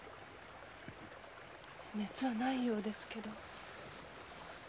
熱はないようですけど。